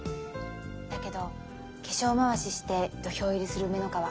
だけど化粧まわしして土俵入りする梅ノ川